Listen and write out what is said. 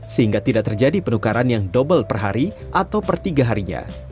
sehingga tidak terjadi penukaran yang double per hari atau per tiga harinya